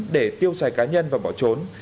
để tiêu xài cá nhân và bỏ trốn